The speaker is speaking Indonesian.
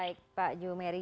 baik pak jumeri